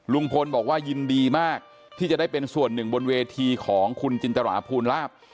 ลุงพลบอกว่ายินดีมากที่จะได้เป็นส่วนหนึ่งบนเวทีของคุณจินตราภูลาภ